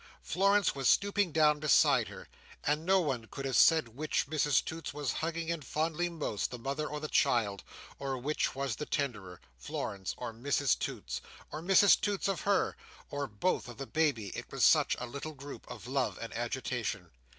Florence was stooping down beside her; and no one could have said which Mrs Toots was hugging and fondling most, the mother or the child, or which was the tenderer, Florence of Mrs Toots, or Mrs Toots of her, or both of the baby; it was such a little group of love and agitation.